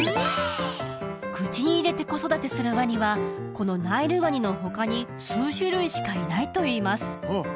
口に入れて子育てするワニはこのナイルワニの他に数種類しかいないといいます